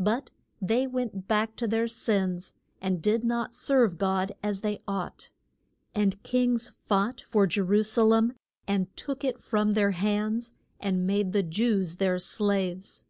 But they went back to their sins, and did not serve God as they ought. And kings fought for Je ru sa lem and took it from their hands and made the Jews their slaves.